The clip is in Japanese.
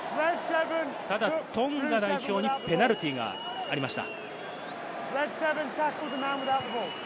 ただトンガ代表にペナルティーがありました。